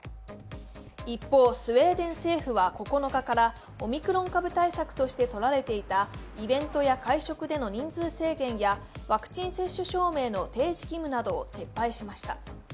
一方、スウェーデン政府は９日からオミクロン株対策としてとられていたイベントや会食での人数制限やワクチン接種証明の提出義務を撤廃しました。